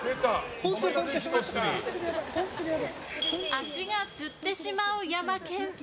足がつってしまうヤマケン。